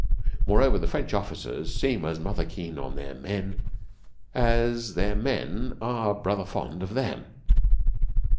Moreover, the French officers seem as mother keen on their men as their men are brother fond of them.